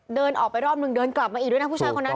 เงินออกไปรอบนึงนึงกลับไปอีกด้วยโน่ะผู้ชายคนนั้นน่ะ